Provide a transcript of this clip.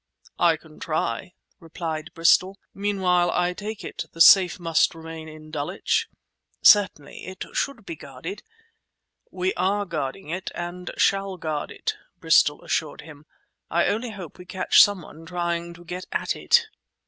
"I can try," replied Bristol. "Meanwhile, I take it, the safe must remain at Dulwich?" "Certainly. It should be guarded." "We are guarding it and shall guard it," Bristol assured him. "I only hope we catch someone trying to get at it!"